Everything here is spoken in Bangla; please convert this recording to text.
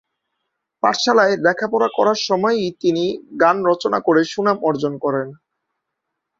পাঠশালায় লেখাপড়া করার সময়ই তিনি গান রচনা করে সুনাম অর্জন করেন।